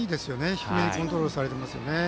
低めにコントロールされています。